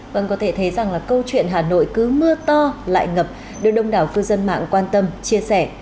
vâng có thể thấy rằng là câu chuyện hà nội cứ mưa to lại ngập được đông đảo cư dân mạng quan tâm chia sẻ